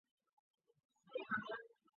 阿考昂是巴西皮奥伊州的一个市镇。